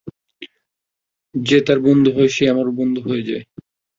যে তার বন্ধু হয় সে আমারও বন্ধু হয়ে যায়।